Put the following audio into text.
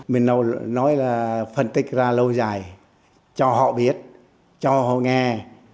mình nói là phân tích ra lâu dài cho họ biết cho họ nghe